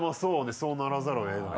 そうならざるをえない。